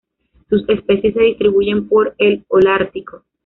Sus especies se distribuyen por el holártico.